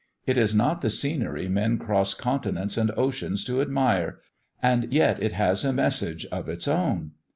It is not the scenery men cross continents and oceans to admire, and yet it has a message of its own.